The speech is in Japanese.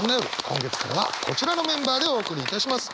今月からはこちらのメンバーでお送りいたします。